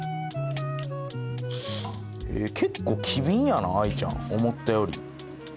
結構機敏やな愛ちゃん思ったより。